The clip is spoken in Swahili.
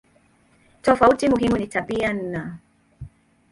Tofauti muhimu ni tabia no.